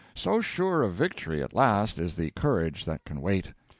So sure of victory at last is the courage that can wait.